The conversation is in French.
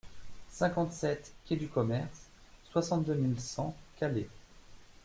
cinquante-sept quai du Commerce, soixante-deux mille cent Calais